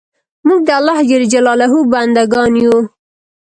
موږ د الله ج بندګان یو